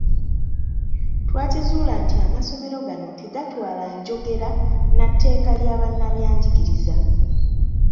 Twakizuula nti amasomero gano tegatwala njogera na tteeka lya bannabyanjiriza.